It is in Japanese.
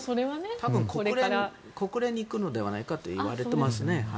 多分、国連に行くのではないかといわれていますね。